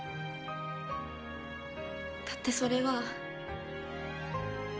だってそれは。